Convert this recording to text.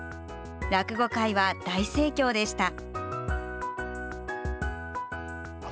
落語会は大盛況でした。